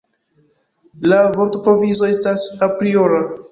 La vortprovizo estas apriora.